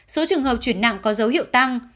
số trường hợp chuyển nặng có dấu hiệu tăng